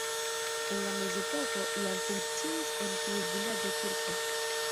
En la mezepoko jam funkciis en tiu vilaĝo kirko.